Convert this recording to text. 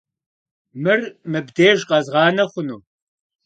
Mır mıbdêjj khezğane xhunu?